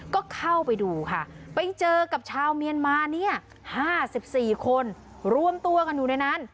ก็เข้าไปดูค่ะไปเจอกับชาวเมียนมาเนี่ย๕๔คนรวมตัวกันอยู่ในนั้น